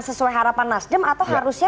sesuai harapan nasdem atau harusnya